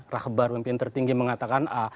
rakbar pemimpin tertinggi mengatakan a